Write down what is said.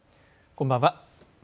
こんばんは。